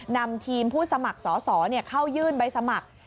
นำทีมผู้สมัครสอสอเข้ายื่นใบสมัคร